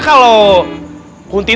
temen pocong kan